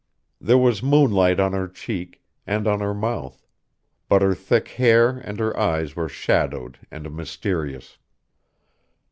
There was moonlight on her cheek, and on her mouth; but her thick hair and her eyes were shadowed and mysterious.